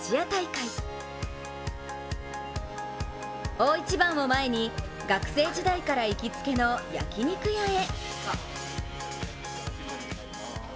大一番を前に、学生時代から行きつけの焼き肉屋へ。